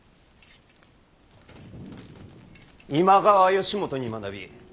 今川義元に学び